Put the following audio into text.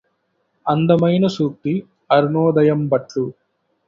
అందమైన సూక్తి అరుణోదయంబట్లు